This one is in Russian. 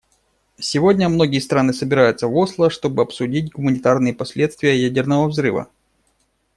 Сегодня многие страны собираются в Осло, чтобы обсудить гуманитарные последствия ядерного взрыва.